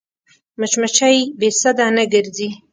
مچمچۍ بې سده نه ګرځي